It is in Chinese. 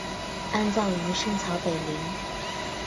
安葬于深草北陵。